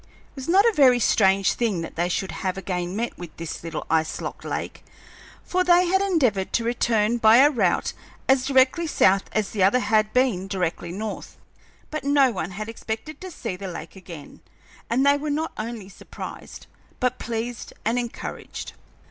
It was not a very strange thing that they should have again met with this little ice locked lake, for they had endeavored to return by a route as directly south as the other had been directly north. But no one had expected to see the lake again, and they were not only surprised, but pleased and encouraged.